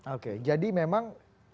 oke jadi memang